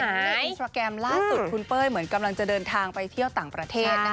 ในอินสตราแกรมล่าสุดคุณเป้ยเหมือนกำลังจะเดินทางไปเที่ยวต่างประเทศ